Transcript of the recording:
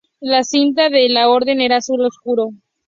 La cinta de la orden era azul oscuro.